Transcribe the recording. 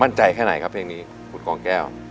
มั่นใจแค่ไหนครับเพลงนี้คุณกรองแก้ว